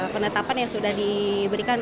penetapan yang sudah diberikan